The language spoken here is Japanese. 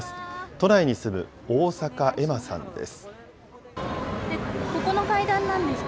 都内に住む逢坂えまさんです。